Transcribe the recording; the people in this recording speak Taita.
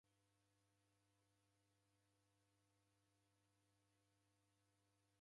W'uria indo jimu nisikire nicha.